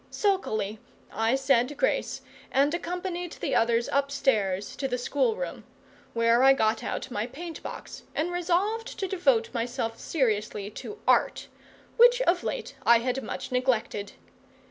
Sulkily I said grace and accompanied the others upstairs to the schoolroom; where I got out my paint box and resolved to devote myself seriously to Art, which of late I had much neglected.